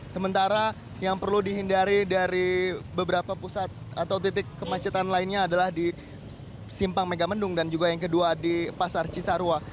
sementara yang perlu dihindari dari beberapa pusat atau titik kemacetan lainnya adalah di simpang megamendung dan juga yang kedua di pasar cisarua